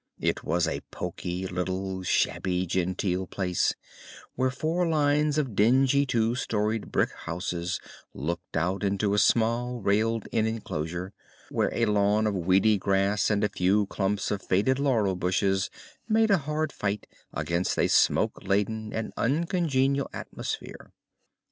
It was a poky, little, shabby genteel place, where four lines of dingy two storied brick houses looked out into a small railed in enclosure, where a lawn of weedy grass and a few clumps of faded laurel bushes made a hard fight against a smoke laden and uncongenial atmosphere.